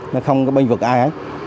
nó không có bênh vực ai hết